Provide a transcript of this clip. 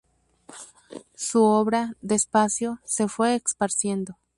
Su obra, despacio, se fue esparciendo.